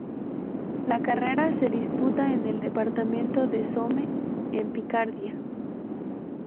La carrera se disputa en el departamento de Somme, en Picardía.